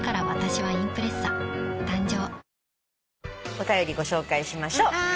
お便りご紹介しましょう。